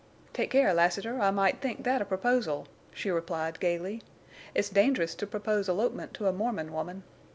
"Take care, Lassiter, I might think that a proposal," she replied, gaily. "It's dangerous to propose elopement to a Mormon woman.